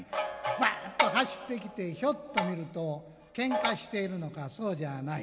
バッと走ってきてひょっと見るとけんかしているのかそうじゃない。